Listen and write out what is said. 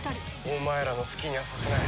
お前らの好きにはさせない。